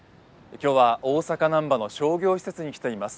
今日は大阪・難波の商業施設に来ています。